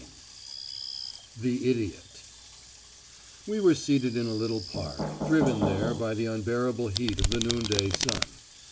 IV THE IDIOT We were seated in a little park, driven there by the unbearable heat of the noonday sun.